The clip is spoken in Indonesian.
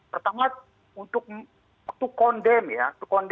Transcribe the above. pertama untuk waktu kondem ya